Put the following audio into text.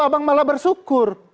abang malah bersyukur